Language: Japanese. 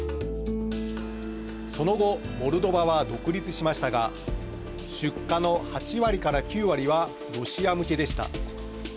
その後モルドバは独立しましたが出荷の８割から９割はロシア向けでした。